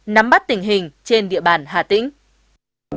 nắm bắt tình hình trên địa bàn hà tĩnh